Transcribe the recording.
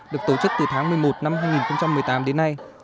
được tổ chức từ tháng một mươi một năm hai nghìn một mươi tám đến nay